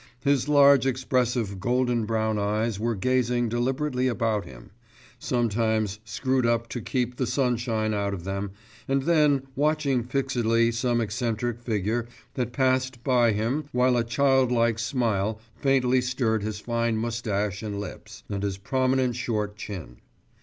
His large expressive golden brown eyes were gazing deliberately about him, sometimes screwed up to keep the sunshine out of them, and then watching fixedly some eccentric figure that passed by him while a childlike smile faintly stirred his fine moustache and lips, and his prominent short chin.